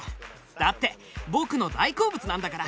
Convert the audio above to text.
だって僕の大好物なんだから。